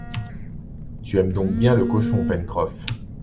Tu aimes donc bien le cochon, Pencroff